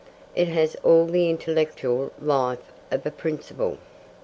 It has all the intellectual life of a principle.